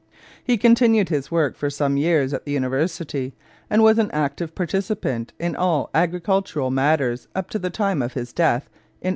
He continued his work for some years at the university, and was an active participant in all agricultural matters up to the time of his death in 1885.